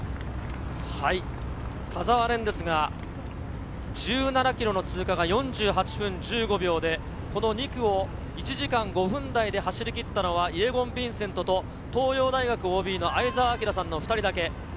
田澤廉ですが、１７ｋｍの通過が４８分１５秒で２区を１時間５分台で走り切ったのはイェゴン・ヴィンセントと東洋大学ＯＢの相澤晃さんの２人だけ。